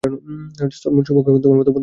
Solomon সৌভাগ্যবান তোমার মত বন্ধু পেয়েছে।